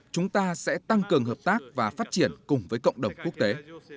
chúng ta sẽ tăng cường hợp tác và phát triển cùng với cộng đồng quốc tế